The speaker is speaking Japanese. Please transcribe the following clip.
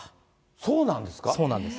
そうなんです。